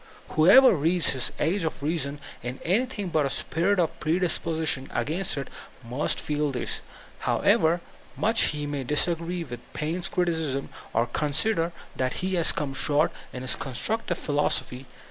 Whoever reads his ""Age of Reason*' in anything but a spirit of predispo sition against it, must feel this, however much he may disagree with Paine's criticism, or consider that he has come short in his constructive philosophy.